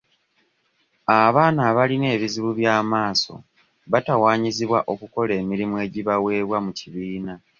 Abaana abalina ebizibu by'amaaso batawaanyizibwa okukola emirimu egibaweebwa mu kibiina.